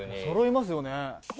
「そろいますよね」